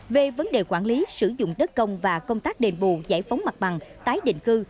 về vấn đề quản lý sử dụng đất công và công tác đền bù giải phóng mặt bằng tái định cư